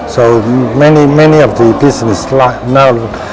banyak banyak perusahaan sekarang